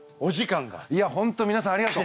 いや本当みなさんありがとう。